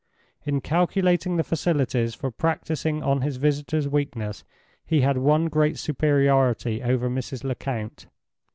In calculating the facilities for practicing on his visitor's weakness, he had one great superiority over Mrs. Lecount.